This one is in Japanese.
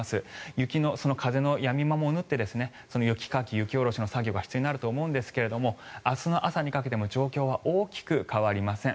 雪の風のやみ間も縫って雪かき、雪下ろしの作業が必要になると思うんですが明日の朝にかけても状況は大きく変わりません。